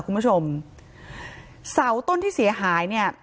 คุณผู้ชมเสาต้นที่เสียหายเนี่ย